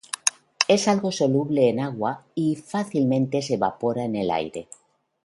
Es algo soluble en agua y fácilmente se evapora en el aire.